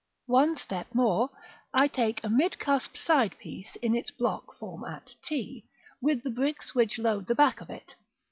§ XXI. One step more: I take a mid cusped side piece in its block form at t, with the bricks which load the back of it.